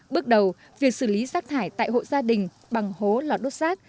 bước đầu việc xử lý rác thải tại hộ gia đình bằng hố lò đốt rác